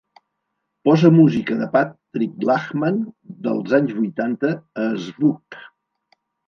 Posa música de Patrick Lachman dels anys vuitanta a Zvooq